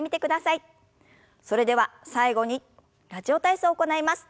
それでは最後に「ラジオ体操」を行います。